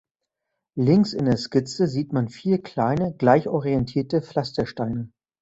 Links in der Skizze sieht man vier kleine, gleich orientierte „Pflastersteine“.